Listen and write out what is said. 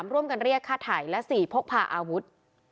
ร่วมกันเรียกฆ่าไถ่และ๔พกพาอาวุธ